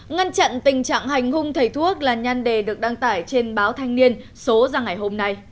ngăn chặn tình trạng hành hung thầy thuốc là nhan đề được đăng tải trên báo thanh niên số ra ngày hôm nay